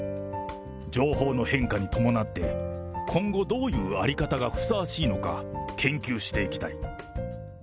情報の変化に伴って、今後、どういう在り方がふさわしいのか、研究していきたい。